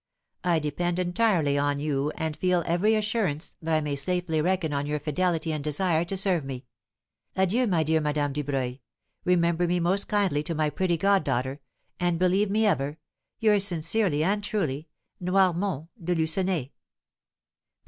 I depend entirely on you and feel every assurance that I may safely reckon on your fidelity and desire to serve me. Adieu, my dear Madame Dubreuil; remember me most kindly to my pretty goddaughter; and believe me ever, "'Yours, sincerely and truly, "'NOIRMONT DE LUCENAY.